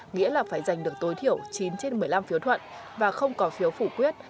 nghĩa là phải giành được tối thiểu chín trên một mươi năm phiếu thuận và không có phiếu phủ quyết